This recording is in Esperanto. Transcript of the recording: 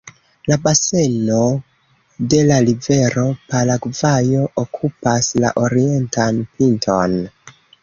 La baseno de la rivero Paragvajo okupas la orientan pinton.